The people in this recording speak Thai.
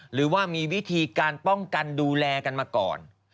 หรือว่ามีวิธีการป้องกันดูแลกันมาก่อน